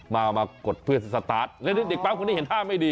มากดเพื่อสตาร์ทแล้วเด็กปั๊มคนนี้เห็นท่าไม่ดี